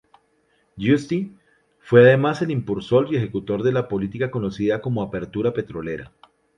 Giusti fue además el impulsor y ejecutor de la política conocida como "Apertura Petrolera".